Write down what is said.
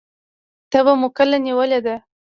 تبه مو کله نیولې ده؟